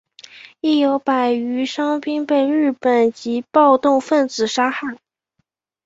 亦有百余伤兵被日本籍暴动分子杀害。